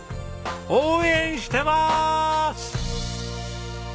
応援してます！